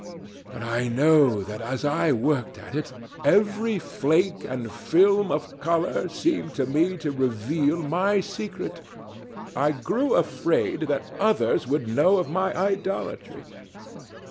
But I know that as I worked at it, every flake and film of colour seemed to me to reveal my secret. I grew afraid that others would know of my idolatry.